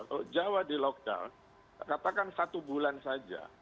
kalau jawa di lockdown katakan satu bulan saja